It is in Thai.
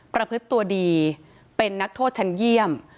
ประพฤติตัวดีเป็นนักโทษชั้นเยี่ยม